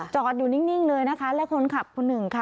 จอดอยู่นิ่งเลยนะคะและคนขับคนหนึ่งค่ะ